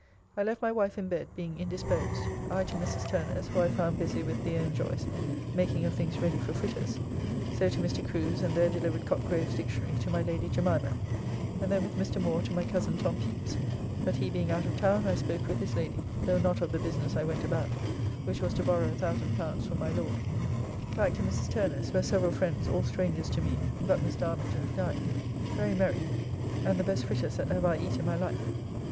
I left my wife in bed, being indisposed... I to Mrs. Turner's, who I found busy with The. and Joyce making of things ready for fritters, so to Mr. Crew's and there delivered Cotgrave's Dictionary' to my Lady Jemimah, and then with Mr. Moore to my coz Tom Pepys, but he being out of town I spoke with his lady, though not of the business I went about, which was to borrow L1000 for my Lord. Back to Mrs. Turner's, where several friends, all strangers to me but Mr. Armiger, dined. Very merry and the best fritters that ever I eat in my life.